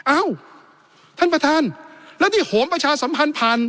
เอ้าท่านประธานแล้วนี่โหมประชาสัมพันธ์ผ่าน